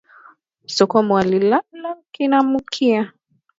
Sokomutu aikalaki na mukia